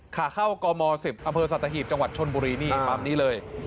ขาเข้ากม๑๐อำเภอสัตหีบจังหวัดชนบุรีนี่ตามนี้เลย